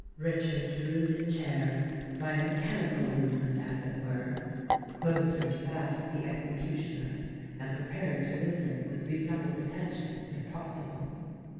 Richard drew his chair, by a mechanical movement as it were, closer to that of the executioner, and prepared to listen with redoubled attention, if possible.